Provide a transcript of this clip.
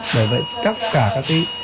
bởi vậy tất cả các